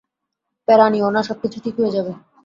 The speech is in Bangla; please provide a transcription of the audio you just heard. প্যারা নিও না, সবকিছু ঠিক হয়ে যাবে।